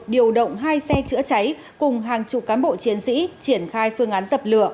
điều động hai xe chữa cháy cùng hàng chục cán bộ chiến sĩ triển khai phương án dập lửa